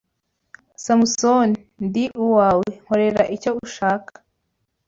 `Samusoni, Ndi uwawe; Nkorera icyo ushaka